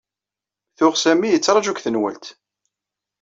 Tuɣ Sami yettraju deg tenwalt.